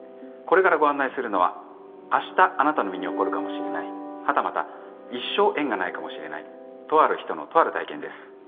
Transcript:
これからご案内するのは明日あなたの身に起こるかもしれないはたまた一生縁がないかもしれないとある人のとある体験です。